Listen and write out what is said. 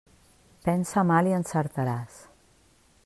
Pensa mal i encertaràs.